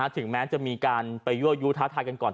ถึงแม้จะมีการไปยั่วยู้ท้าทายกันก่อน